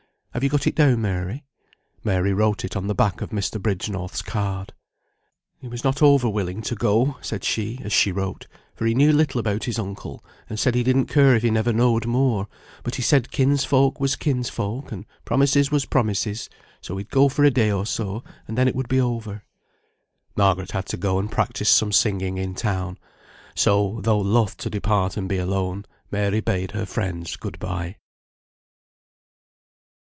Have you got it down, Mary?" Mary wrote it on the back of Mr. Bridgenorth's card. "He was not over willing to go," said she, as she wrote, "for he knew little about his uncle, and said he didn't care if he never knowed more. But he said kinsfolk was kinsfolk, and promises was promises, so he'd go for a day or so, and then it would be over." Margaret had to go and practise some singing in town; so, though loth to depart and be alone, Mary bade her friends good bye.